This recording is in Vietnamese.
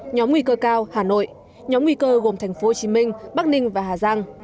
nhóm nguy cơ cao hà nội nhóm nguy cơ gồm thành phố hồ chí minh bắc ninh và hà giang